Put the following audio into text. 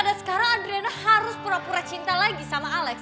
dan sekarang adriana harus pura pura cinta lagi sama alex